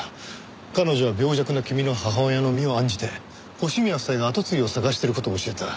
彼女は病弱な君の母親の身を案じて星宮夫妻が後継ぎを探してる事を教えた。